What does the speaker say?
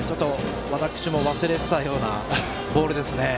私も忘れてたようなボールですね。